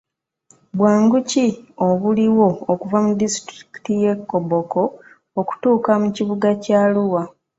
Bwangu ki obuliwo okuva mu disitulikiti y'e Koboko okutuuka mu kibuga kya Arua?